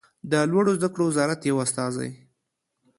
د لوړو زده کړو وزارت یو استازی